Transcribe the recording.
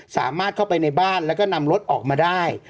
สามารถเข้าไปในบ้านแล้วก็นำรถออกมาได้